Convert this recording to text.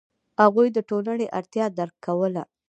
هغوی د ټولنې اړتیا درک کوله.